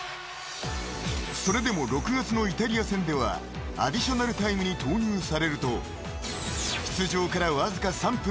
［それでも６月のイタリア戦ではアディショナルタイムに投入されると］